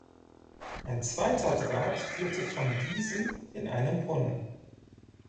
Ein zweiter Draht führte von diesem in einen Brunnen.